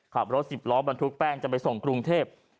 ขับรถสิบล้อบรรทุกแป้งจะไปส่งกรุงเทพ